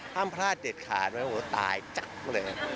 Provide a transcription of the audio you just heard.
ห้ามพลาดเด็ดขาดเหมือนว่าตายจั๊กอะไรอย่างนี้